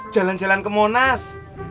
jalan jalan ke monas